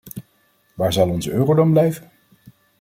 Waar zal onze euro dan blijven?